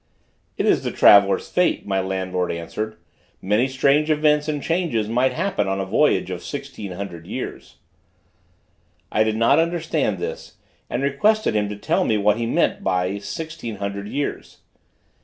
"It is the traveller's fate;" my landlord answered; "many strange events and changes might happen on a voyage of sixteen hundred years." I did not understand this, and requested him to tell me what he meant by sixteen hundred years.